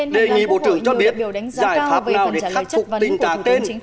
đề nghị bộ trưởng cho biết giải pháp nào để khắc phục tình trạng tên